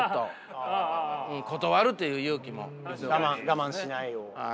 我慢しないように。